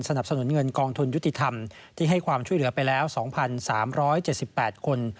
สนุนเงินกองทุนยุติธรรมที่ให้ความช่วยเหลือไปแล้ว๒๓๗๘คน